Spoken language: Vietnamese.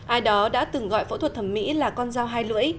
ai đó đã từng gọi phẫu thuật thẩm mỹ là con dao hai lưỡi